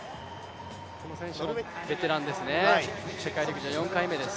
この選手もベテランですね、世界陸上４回目です。